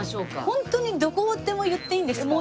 ホントにどこでも言っていいんですか？